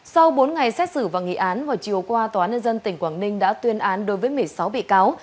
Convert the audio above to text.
sau bốn ngày xét xử và nghị án vào chiều qua tòa nhân dân tỉnh quảng ninh đã tuyên án đối với một mươi sáu bị cáo